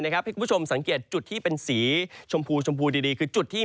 เพื่อที่คุณผู้ชมสังเกตจุดที่เป็นสีชมพูผลสีชมพูดี